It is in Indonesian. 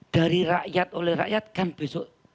dari rakyat oleh rakyat kan besok